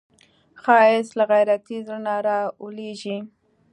ښایست له غیرتي زړه نه راولاړیږي